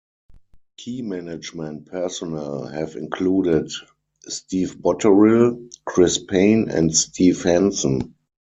Key management personnel have included Steve Botterill, Chris Payne and Steve Hanson.